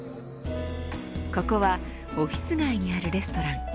ここはオフィス街にあるレストラン。